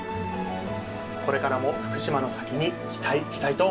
これからも福島の酒に期待したいと思います。